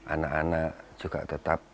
anak anak juga tetap